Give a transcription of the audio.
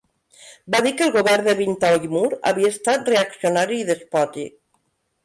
Va dir que el govern de Bin Taimur havia estat reaccionari i despòtic.